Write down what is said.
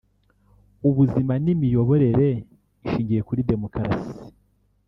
ubuzima n’imiyoborere ishingiye kuri demokarasi